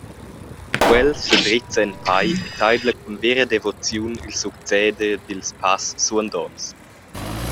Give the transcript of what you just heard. Quel sedrezza en pei e teidla cun vera devoziun il succeder dils pass suandonts.